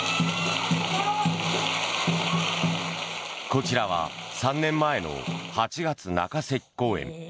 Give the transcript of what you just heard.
こちらは３年前の８月中席公演。